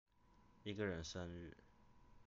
一個人生日